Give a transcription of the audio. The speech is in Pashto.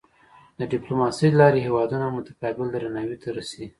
د ډیپلوماسۍ له لارې هېوادونه متقابل درناوی ته رسي.